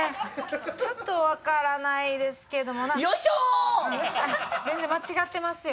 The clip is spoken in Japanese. ちょっとわからないですけども。